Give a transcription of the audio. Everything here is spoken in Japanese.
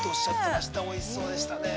◆おいしそうでしたね。